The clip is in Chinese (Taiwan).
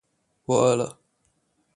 我餓了